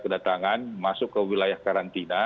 kedatangan masuk ke wilayah karantina